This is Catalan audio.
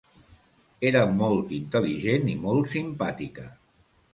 Era molt intel·ligent i molt simpàtica.